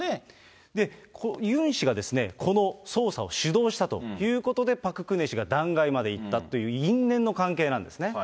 ユン氏がこの捜査を主導したということで、パク・クネ氏が弾劾までいったという因縁の関係なんですね。